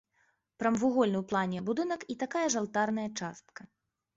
Прамавугольны ў плане будынак і такая ж алтарная частка.